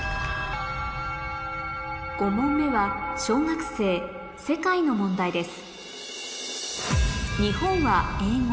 ５問目は小学生の問題です